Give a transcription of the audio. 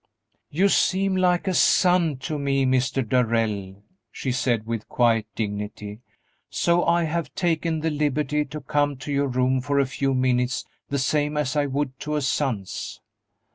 "You seem like a son to me, Mr. Darrell," she said, with quiet dignity, "so I have taken the liberty to come to your room for a few minutes the same as I would to a son's."